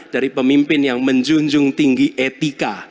dari pemimpin yang menjunjung tinggi etika